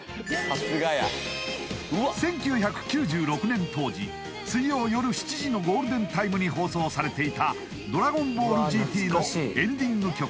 １９９６年当時水曜夜７時のゴールデンタイムに放送されていた「ドラゴンボールＧＴ」のエンディング曲